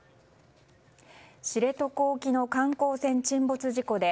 知床沖の観光船沈没事故で